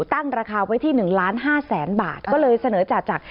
ตั้งราคาไว้ที่๑๕๐๐๐๐๐บาทก็เลยเสนอจ่าจักร